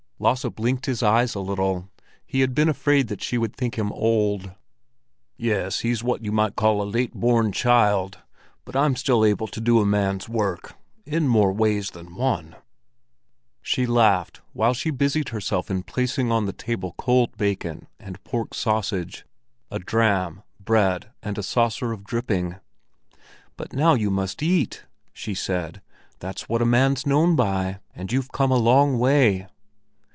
Lasse blinked his eyes a little. He had been afraid that she would think him old. "Yes, he's what you'd call a late born child; but I'm still able to do a man's work in more ways than one." She laughed while she busied herself in placing on the table cold bacon and pork sausage, a dram, bread and a saucer of dripping. "But now you must eat!" she said. "That's what a man's known by. And you've come a long way."